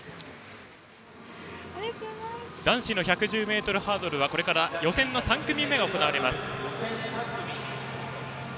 男子の１１０ｍハードルはこれから予選３組目が行われます。